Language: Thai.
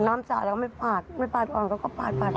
เอาน้ำสาดและไม่ปัดปอดปัด